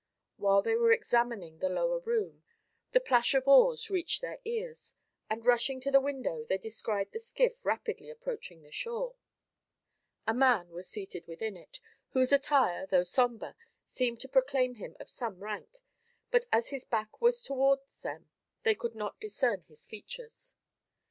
While they were examining the lower room, the plash of oars reached their ears, and rushing to the window, they descried the skiff rapidly approaching the shore. A man was seated within it, whose attire, though sombre, seemed to proclaim him of some rank, but as his back was towards them, they could not discern his features.